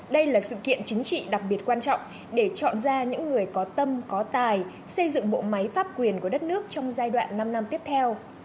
đây là sự kiện chính trị đặc biệt quan trọng để chọn ra những người có tâm có tài xây dựng bộ máy pháp quyền của đất nước trong giai đoạn năm năm tiếp theo